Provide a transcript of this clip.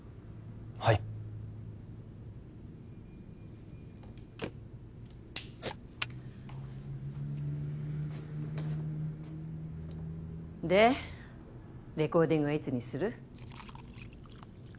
はいでレコーディングはいつにする？